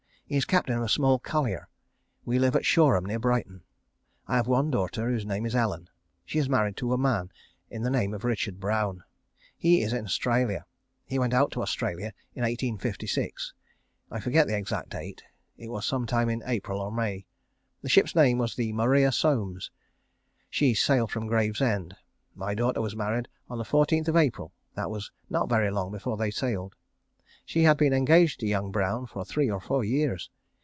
He is captain of a small collier. We live at Shoreham, near Brighton. I have one daughter, whose name is Ellen. She is married to a man of the name of Richard Brown. He is in Australia. He went out to Australia in 1856. I forget the exact date. It was some time in April or May. The ship's name was the Maria Somes. She sailed from Gravesend. My daughter was married on the 14th of April. That was not very long before they sailed. She had been engaged to young Brown for three or four years.